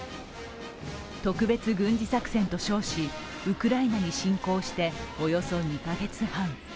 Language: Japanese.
特別軍事作戦と称し、ウクライナに侵攻しておよそ２カ月半。